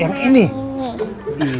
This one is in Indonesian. yang ini sama yang itu